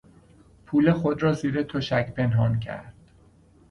پول خود را زیر تشک پنهان کرد.